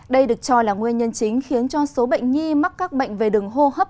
đây được cho là nguyên nhân chính khiến cho số bệnh nhi mắc các bệnh về đường hô hấp